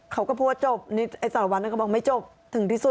เขาก็พูดว่าจบนี่ไอ้สารวันนั้นก็บอกไม่จบถึงที่สุด